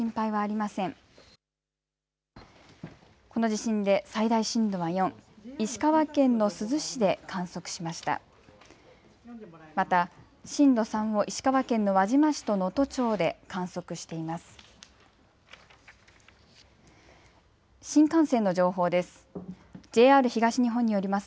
また震度３を石川県の輪島市と能登町で観測しています。